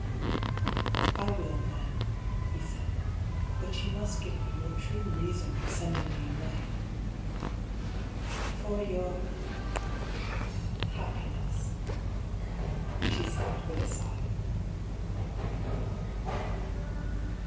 " I will, then," he said. " But you must give me your true reason for sending me away." " For your — happiness," she said, with a sigh.